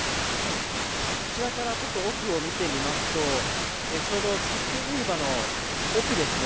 こちらから奥を見てみますとちょうど切符売り場の奥ですね